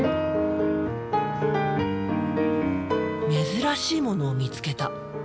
珍しいものを見つけた。